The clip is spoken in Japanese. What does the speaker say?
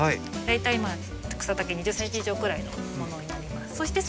大体草丈２０ｃｍ以上くらいのものになります。